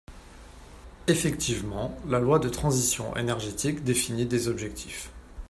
Effectivement, la loi de transition énergétique définit des objectifs.